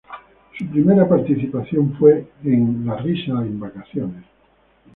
Su primera participación fue en "La risa en vacaciones".